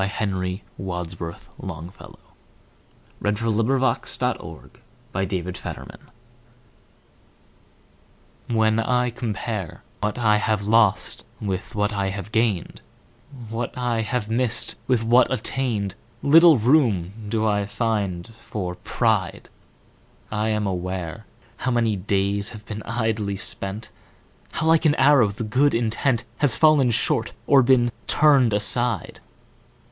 Henry Wadsworth Longfellow Loss and Gain WHEN I compare What I have lost with what I have gained, What I have missed with what attained, Little room do I find for pride. I am aware How many days have been idly spent; How like an arrow the good intent Has fallen short or been turned aside.